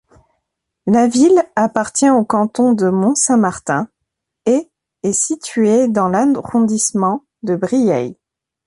La ville appartient au canton de Mont-Saint-Martin et est située dans l'arrondissement de Briey.